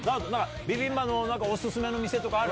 ビビンバのお勧めのお店とかある？